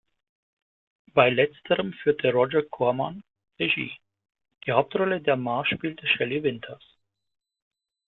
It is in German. Bei letzterem führte Roger Corman Regie; die Hauptrolle der Ma spielte Shelley Winters.